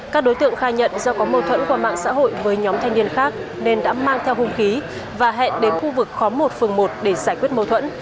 các đối tượng khai nhận do có mâu thuẫn qua mạng xã hội với nhóm thanh niên khác nên đã mang theo hung khí và hẹn đến khu vực khóm một phường một để giải quyết mâu thuẫn